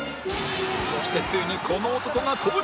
そしてついにこの男が登場